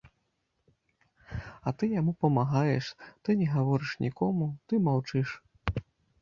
А ты яму памагаеш, ты не гаворыш нікому, ты маўчыш!